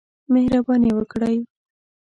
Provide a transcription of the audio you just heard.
مهرباني وکړئ